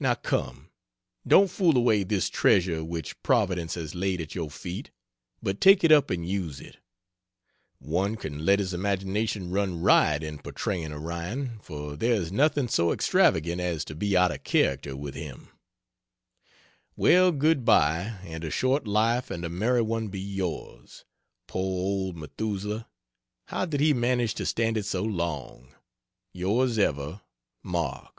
Now come! Don't fool away this treasure which Providence has laid at your feet, but take it up and use it. One can let his imagination run riot in portraying Orion, for there is nothing so extravagant as to be out of character with him. Well good bye, and a short life and a merry one be yours. Poor old Methusaleh, how did he manage to stand it so long? Yrs ever, MARK.